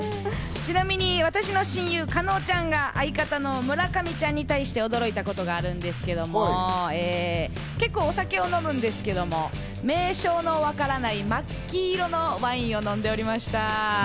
ちなみに私の親友・加納ちゃんが相方の村上ちゃんに対して驚いたことがあるんですけれども、結構、お酒を飲むんですけれども、名称のわからない真っ黄色のワインを飲んでおりました。